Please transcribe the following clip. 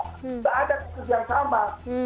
tidak ada kasus yang sama